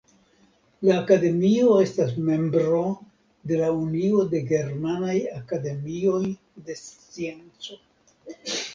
La akademio estas membro de la Unio de Germanaj Akademioj de Scienco.